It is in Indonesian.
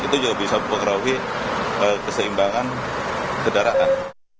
itu juga bisa memperkara kesimbangan kedaraan